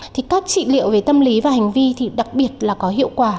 thì các trị liệu về tâm lý và hành vi thì đặc biệt là có hiệu quả